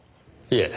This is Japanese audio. いえ。